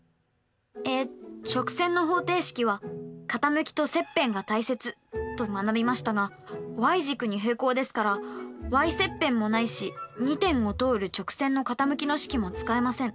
え直線の方程式は傾きと切片が大切と学びましたがｙ軸に平行ですからｙ切片もないし２点を通る直線の傾きの式も使えません。